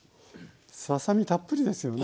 ささ身たっぷりですよね。